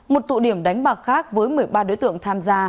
một tụ điểm đánh bạc khác với một mươi ba đối tượng tham gia